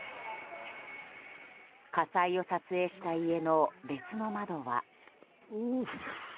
火災を撮影した家の別の窓は。